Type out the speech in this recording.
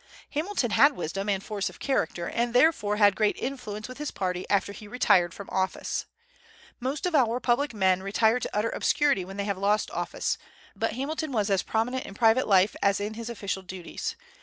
Hamilton had wisdom and force of character, and therefore had great influence with his party after he retired from office. Most of our public men retire to utter obscurity when they have lost office, but Hamilton was as prominent in private life as in his official duties.